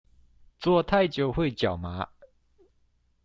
坐太久會腳麻